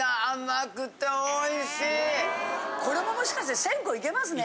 これももしかして１０００個いけますね。